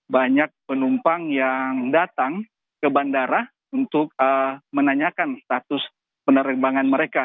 banyak penumpang yang datang ke bandara untuk menanyakan status penerbangan mereka